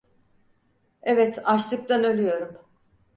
Evet, açlıktan ölüyorum.